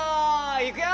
いくよ！